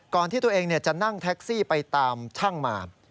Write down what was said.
ที่ตัวเองจะนั่งแท็กซี่ไปตามช่างมา